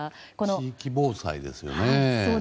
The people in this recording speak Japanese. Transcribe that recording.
地域防災ですよね。